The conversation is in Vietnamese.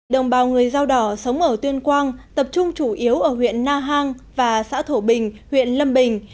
đồng bào người dao đỏ sống ở tuyên quang tập trung chủ yếu ở huyện na hàng và xã thổ bình huyện lâm bình